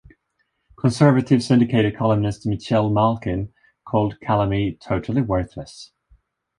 Conservative syndicated columnist Michelle Malkin called Calame "totally worthless".